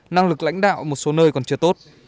năng lực lãnh đạo ở một số nơi còn chưa tốt